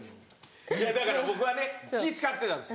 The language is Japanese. いやだから僕はね気ぃ使ってたんです。